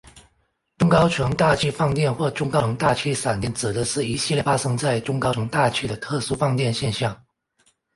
中高层大气放电或中高层大气闪电指的是一系列发生在中高层大气的特殊放电现象。